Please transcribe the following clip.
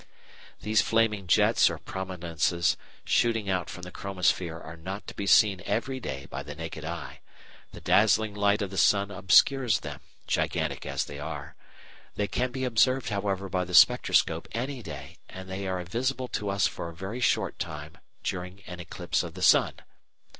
These flaming jets or prominences shooting out from the chromosphere are not to be seen every day by the naked eye; the dazzling light of the sun obscures them, gigantic as they are. They can be observed, however, by the spectroscope any day, and they are visible to us for a very short time during an eclipse of the sun.